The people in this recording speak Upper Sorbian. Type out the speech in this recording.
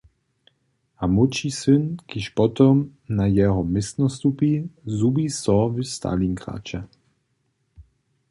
A młódši syn, kiž potom na jeho městno stupi, zhubi so w Stalingradźe.